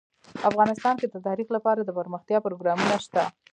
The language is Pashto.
افغانستان کې د تاریخ لپاره دپرمختیا پروګرامونه شته.